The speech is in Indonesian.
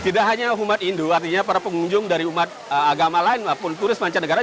tidak hanya umat hindu artinya para pengunjung dari umat agama lain maupun turis mancanegara